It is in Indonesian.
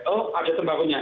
oh ada tembakunya